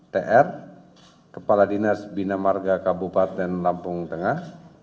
tr kepala dinas binamarga kabupaten lampung tengah